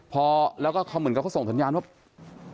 พอแล้วก็เขาเหมือนกับเขาส่งสัญญาณว่า